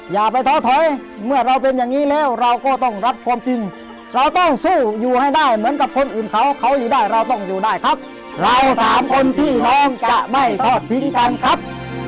อย่าไปท้อถอยเมื่อเราเป็นอย่างนี้แล้วเราก็ต้องรับความจริงเราต้องสู้อยู่ให้ได้เหมือนกับคนอื่นเขาเขาอยู่ได้เราต้องอยู่ได้ครับเราสามคนพี่น้องจะไม่ทอดทิ้งกันครับ